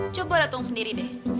coba lo tunggu sendiri deh